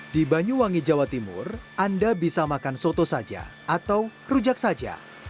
di banyuwangi jawa timur anda bisa makan soto saja atau rujak saja